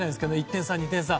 １点差、２点差。